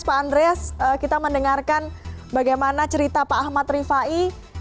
pak andreas kita mendengarkan bagaimana cerita pak ahmad rifai